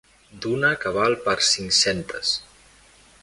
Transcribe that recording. D'una que val per cinc-centes.